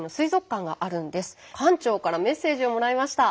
館長からメッセージをもらいました。